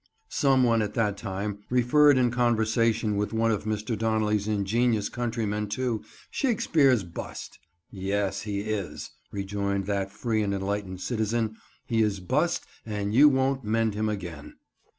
Some one at that time referred in conversation with one of Mr. Donnelly's ingenious countrymen to "Shakespeare's Bust." "Yes, he is," rejoined that free and enlightened citizen: "he is bust and you won't mend him again."